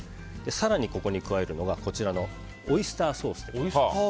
更に、ここに加えるのがオイスターソースです。